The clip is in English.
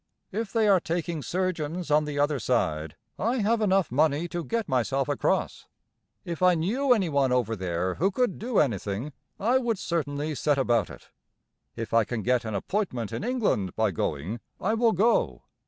If they are taking surgeons on the other side, I have enough money to get myself across. If I knew any one over there who could do anything, I would certainly set about it. If I can get an appointment in England by going, I will go.